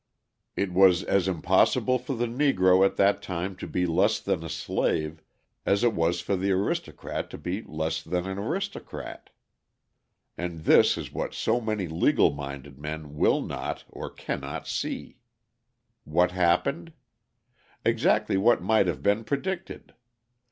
It was as impossible for the Negro at that time to be less than a slave as it was for the aristocrat to be less than an aristocrat. And this is what so many legal minded men will not or cannot see. What happened? Exactly what might have been predicted.